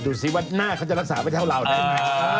ดูสิว่าหน้าเขาจะรักษาไม่เท่าเราได้ไหม